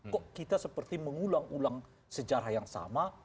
kok kita seperti mengulang ulang sejarah yang sama